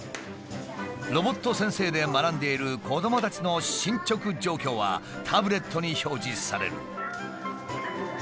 ロボット先生で学んでいる子どもたちの進捗状況はタブレットに表示される。